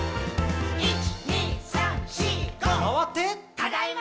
「ただいま！」